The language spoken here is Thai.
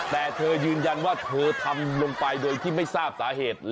แต่เธอยืนยันว่าเธอทำลงไปโดยที่ไม่ทราบสาเหตุ